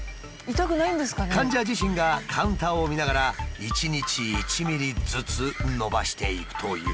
患者自身がカウンターを見ながら一日１ｍｍずつ伸ばしていくという。